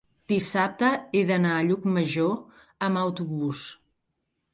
Dissabte he d'anar a Llucmajor amb autobús.